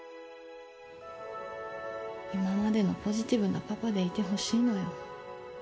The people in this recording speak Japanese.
今までのポジティブなパパでいてほしいのよ